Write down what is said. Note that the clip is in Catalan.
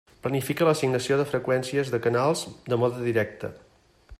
Planifica l'assignació de freqüències de canals de mode directe.